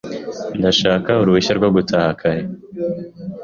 Ndashaka uruhushya rwo gutaha kare .